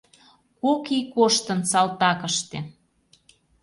Кок ий коштын салтакыште